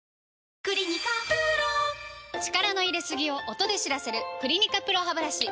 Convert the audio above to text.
力の入れすぎを音で知らせる「クリニカＰＲＯハブラシ」